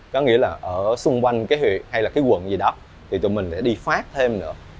có nghĩa là ở xung quanh cái huyện hay là cái quận gì đó thì tụi mình lại đi phát thêm nữa